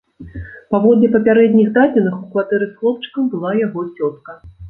Паводле папярэдніх дадзеных, у кватэры з хлопчыкам была яго цётка.